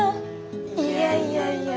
いやいやいや。